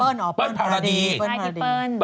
เบิ้ลเหรอเปิ้ลพาราดีใช่ที่เปิ้ล